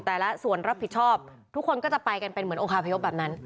แต่ละส่วนรับผิดชอบทุกคนก็จะไปกันเป็นเหมือนองคาพยพแบบนั้น